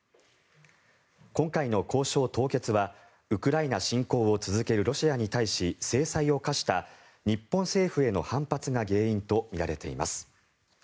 今回の交渉凍結はウクライナ侵攻を続けるロシアに対し制裁を科した日本政府への反発が原因とみられています。